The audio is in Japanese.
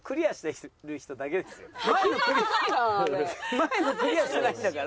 前のクリアしてないんだから。